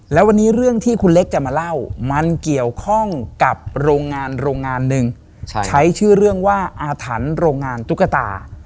แล้ววันนี้เรื่องที่คุณเล็กจะมาเล่ามันเกี่ยวข้องกับโรงงานโรงงานหนึ่งใช้ชื่อเรื่องว่าอาถรรพ์โรงงานตุ๊กตา